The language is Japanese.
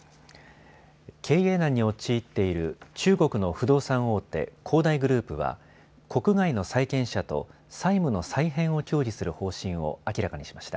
経営難に陥っている中国の不動産大手、恒大グループは国外の債権者と債務の再編を協議する方針を明らかにしました。